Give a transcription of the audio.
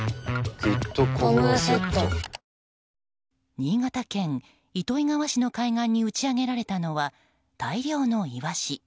新潟県糸魚川市の海岸に打ち上げられたのは大量のイワシ。